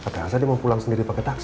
ternyata dia mau pulang sendiri pakai taksi